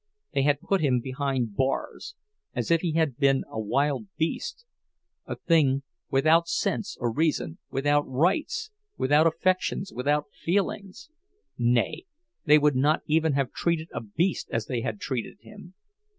They had put him behind bars, as if he had been a wild beast, a thing without sense or reason, without rights, without affections, without feelings. Nay, they would not even have treated a beast as they had treated him!